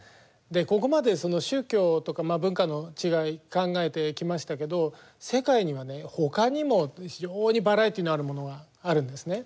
ここまで宗教とか文化の違いを考えてきましたけど世界にはねほかにも非常にバラエティーのあるものがあるんですね。